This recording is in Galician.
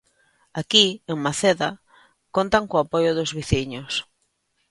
Aquí, en Maceda, contan co apoio dos veciños.